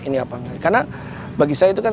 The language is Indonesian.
ini apa karena bagi saya itu kan